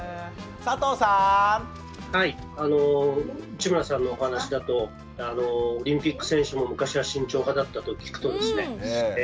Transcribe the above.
内村さんのお話だとオリンピック選手も昔は慎重派だったと聞くとですねえ